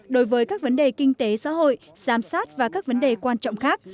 đối với các vấn đề kinh tế xã hội giám sát và các vấn đề quan trọng khác